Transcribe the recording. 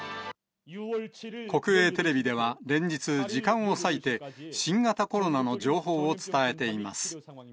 国営テレビでは連日、時間を割いて新型コロナの情報を伝えています。